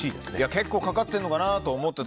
結構かかってるのかなと思って。